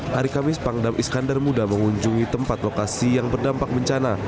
hari kamis pangdam iskandar muda mengunjungi tempat lokasi yang berdampak bencana